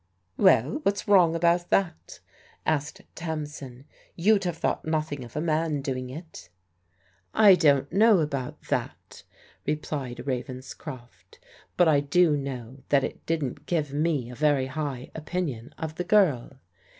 "Well, what's wrong about that?" asked Tamsin. " You'd have thought nothing of a man doing it." " I don't know about that," replied Ravenscroft, " but I do know that it didn't give me a very high opinion of the girl.